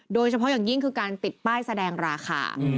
โดยเฉพาะอย่างยิ่งคือการติดป้ายแสดงราคา